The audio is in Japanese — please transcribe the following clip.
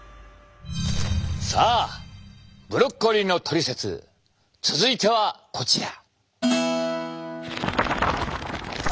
さあブロッコリーのトリセツ続いてはこちら。